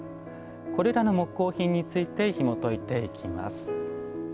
これらの木工品についてひもといていきます。